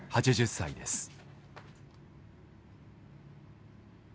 ８０歳です。